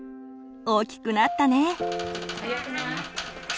大きくなったね。